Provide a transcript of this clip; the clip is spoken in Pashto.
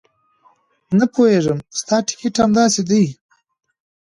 نه پوهېږم ستا ټیکټ همداسې دی.